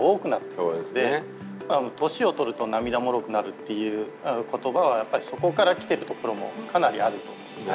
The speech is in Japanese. っていう言葉はやっぱりそこから来てるところもかなりあると思うんですね。